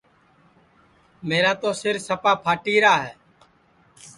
میرا تو سِر سپا پھاٹیرا ہے